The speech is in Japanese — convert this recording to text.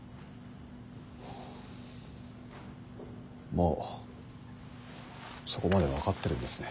もうそこまで分かってるんですね。